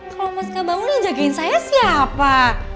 kalo mas gak bangun yang jagain saya siapa